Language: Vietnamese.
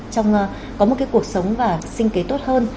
trong có một cuộc sống và sinh kế tốt hơn